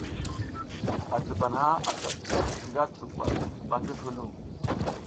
A dirba naha asa jid nga durgwad ɓa ngi hilo.